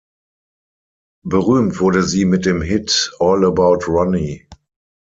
Berühmt wurde sie mit dem Hit "All About Ronnie".